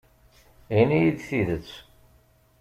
Ini-yi-d tidet.